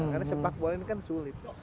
karena sepak bola ini kan sulit